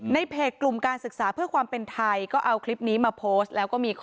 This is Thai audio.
ที่กลุ่มการศึกษาเพื่อความเป็นไทยก็เอาคลิปนี้มาโปสต์